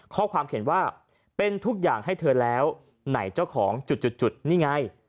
ข้อความเขียนว่าเป็นทุกอย่างให้เธอแล้วไหนเจ้าของจุดนี่ไง